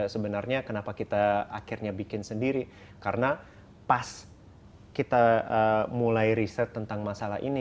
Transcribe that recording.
sebenarnya kenapa kita akhirnya bikin sendiri karena pas kita mulai riset tentang masalah ini